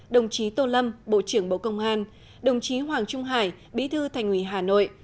đồng chí tô lâm bộ trưởng bộ công an đồng chí hoàng trung hải bí thư thành ủy hà nội